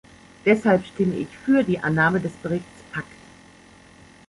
Deshalb stimme ich für die Annahme des Berichts Pack.